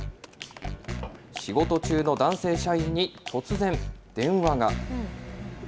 仕事中の男性社員に突然、電話が。